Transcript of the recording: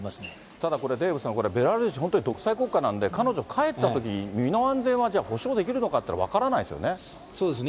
ただこれ、デーブさん、ベラルーシ、本当に独裁国家なんで、彼女、帰ったときに身の安全はじゃあ、保障できるのかって、分からないですよね。